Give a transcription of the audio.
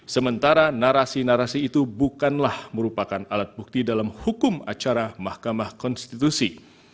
sementara narasi narasi itu bukanlah merupakan alat bukti dalam hukum acara mahkamah konstitusi